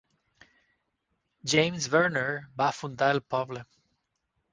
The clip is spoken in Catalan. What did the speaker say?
James Verner va fundar el poble.